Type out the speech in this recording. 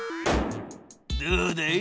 どうだい？